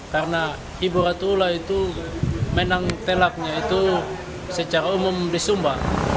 karena ibu ratu wula itu menang telaknya itu secara umum di sumba